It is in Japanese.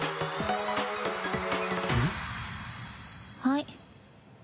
はい。